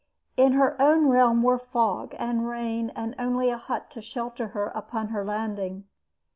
In her own realm were fog and rain and only a hut to shelter her upon her landing.